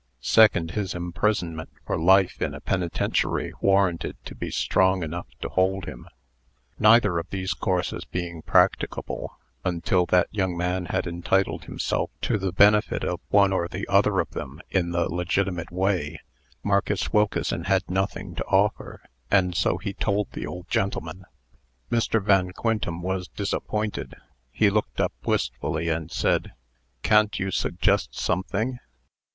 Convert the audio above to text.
Second, his imprisonment for life in a penitentiary warranted to be strong enough to hold him. Neither of these courses being practicable until that young man had entitled himself to the benefit of one or the other of them in the legitimate way, Marcus Wilkeson had nothing to offer, and so he told the old gentleman. Mr. Van Quintem was disappointed. He looked up wistfully, and said: "Can't you suggest something?"